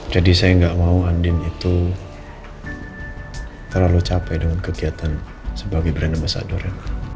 jadi saya enggak mau andin itu terlalu capek dengan kegiatan sebagai brand ambassador ya